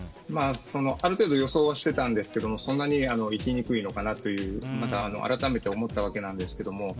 ある程度、予想はしていたんですけれどもそんなに行きにくいのかなと改めて思ったわけなんですけども。